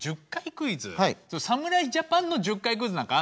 侍ジャパンの１０回クイズなんかあんの？